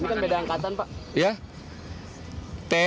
ini kan beda angkatan pak